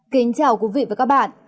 kính chào quý vị và các bạn